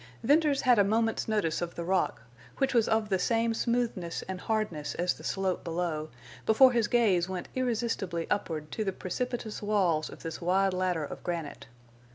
Venters had a moment's notice of the rock, which was of the same smoothness and hardness as the slope below, before his gaze went irresistibly upward to the precipitous walls of this wide ladder of granite.